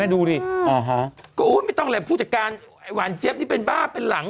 ให้ดูดิอ๋อฮะก็โอ้ยไม่ต้องแหลบผู้จัดการไอ้หวานเจฟนี่เป็นบ้าเป็นหลัง